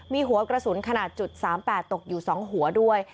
มีหัวกระสุนขนาด๓๘ตกอยู่๒หัวด้วย